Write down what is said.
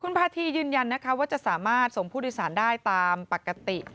พาธียืนยันนะคะว่าจะสามารถส่งผู้โดยสารได้ตามปกติ